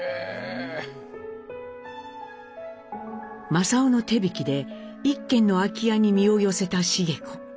雅夫の手引きで一軒の空き家に身を寄せた繁子。